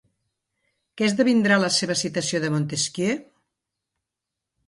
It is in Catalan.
Què esdevindrà la seva citació de Montesquieu?